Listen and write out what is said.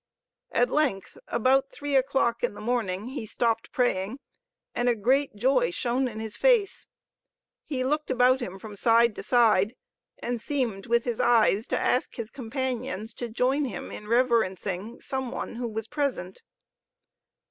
At length, about three o'clock in the morning, he stopped praying, and a great joy shone in his face. He looked about him from side to side, and seemed with his eyes to ask his companions to join him in reverencing some one who was present.